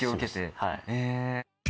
はい。